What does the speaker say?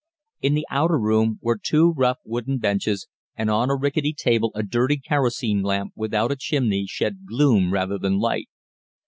In the outer room were two rough wooden benches, and on a rickety table a dirty kerosene lamp without a chimney shed gloom rather than light.